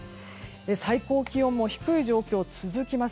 最高気温も低い状況、続きます。